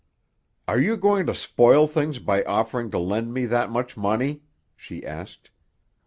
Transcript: "Are you going to spoil things by offering to lend me that much money?" she asked.